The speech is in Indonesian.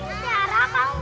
jangan putar jangan putar